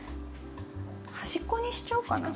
端っこにしちゃおうかな。